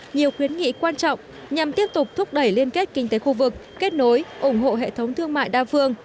nhiều khuyến nghị quan trọng nhằm tiếp tục thúc đẩy liên kết kinh tế khu vực kết nối ủng hộ hệ thống thương mại đa phương